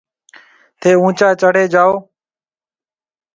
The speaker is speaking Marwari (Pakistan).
ٿَي اُونچا چڙهي جاو۔